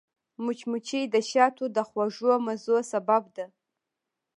مچمچۍ د شاتو د خوږو مزو سبب ده